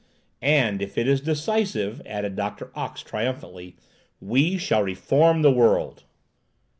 "And if it is decisive," added Doctor Ox triumphantly, "we shall reform the world!"